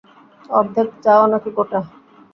অর্ধেক চাও নাকি গোটা?